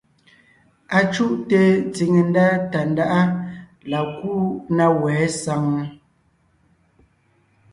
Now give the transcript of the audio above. Acuʼte tsìŋe ndá Tàndáʼa la kúu na wɛ̌ saŋ ?